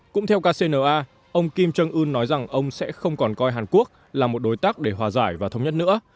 cũng theo kcna ông kim jong un nói rằng ông sẽ không còn coi hàn quốc là một đối tác để hòa giải và thống nhất nữa